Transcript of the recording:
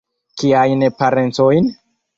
Kiajn parencojn?